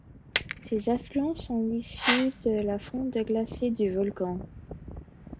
Ses affluents sont issus de la fonte de glaciers du volcan.